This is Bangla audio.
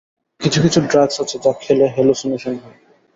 কিছু-কিছু ড্রাগস আছে, যা খেলে হেলুসিনেশন হয়।